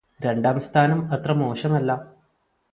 രണ്ടാം സ്ഥാനം അത്ര മോശമല്ല